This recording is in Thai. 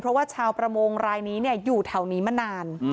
เพราะว่าชาวประมงรายนี้อยู่แถวนี้มานาน